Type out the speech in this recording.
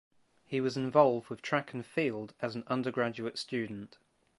He was involved with track and field as an undergraduate student.